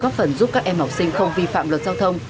góp phần giúp các em học sinh không vi phạm luật giao thông